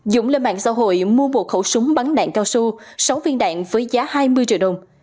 dũng lên mạng xã hội mua một khẩu súng bắn đạn cao su sáu viên đạn với giá hai mươi triệu đồng